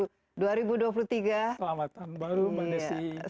selamat tahun baru mbak desi